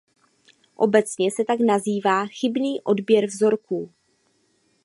Obecně se tak nazývá chybný odběr vzorků.